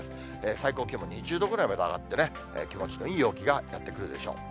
最高気温も２０度ぐらいまで上がってね、気持ちのいい陽気がやって来るでしょう。